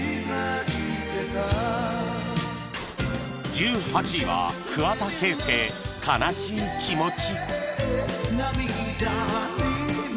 １８位は桑田佳祐『悲しい気持ち』